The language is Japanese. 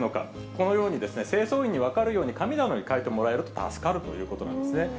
このように、清掃員に分かるように紙などに書いてもらえると助かるということなんですね。